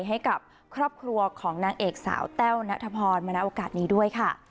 ให้กับครอบครัวของนางเอกสาวแต้วนัทพรมาณโอกาสนี้ด้วยค่ะ